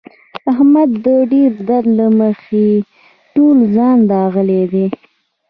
احمد د ډېر درد له مخې ټول ځان داغلی دی.